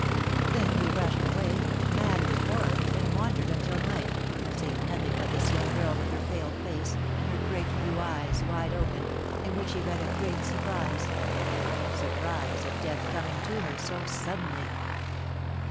Then he rushed away, mad with horror, and wandered until night, seeing nothing but this young girl with her pale face, and her great blue eyes wide open, in which he read a great surprise — surprise at Death coming to her so suddenly.